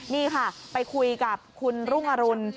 นี่ค่ะไปคุยกับคุณรุ่งอรุณ